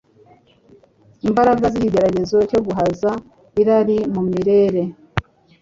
Imbaraga z’ikigeragezo cyo guhaza irari mu mirire